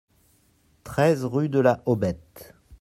treize rue de la Hobette